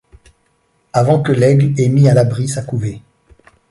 Avant que l'aigle ait mis à l'abri sa couvée